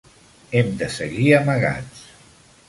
Hem de seguir amagats.